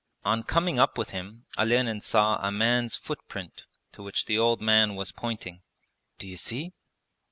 On coming up with him Olenin saw a man's footprint to which the old man was pointing. 'D'you see?'